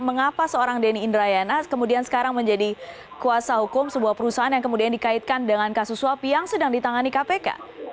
mengapa seorang denny indrayana kemudian sekarang menjadi kuasa hukum sebuah perusahaan yang kemudian dikaitkan dengan kasus suap yang sedang ditangani kpk